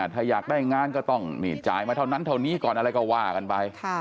ถ้าอยากได้งานก็ต้องจ่ายมาเท่านั้นเท่านี้ก่อนอะไรก็ว่ากันไป